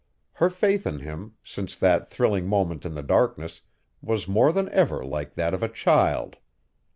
Her faith in him, since that thrilling moment in the darkness, was more than ever like that of a child.